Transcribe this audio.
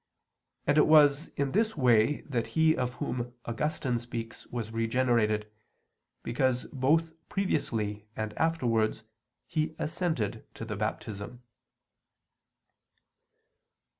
And it was in this way that he of whom Augustine speaks was regenerated, because both previously and afterwards he assented to the Baptism.